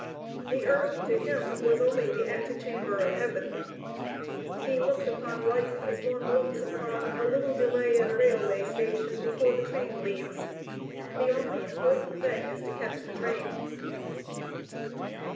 The earth to him was only the antechamber of heaven. He looked upon life as one looks upon a little delay at a railway station before the train leaves; the only important thing is to catch the train.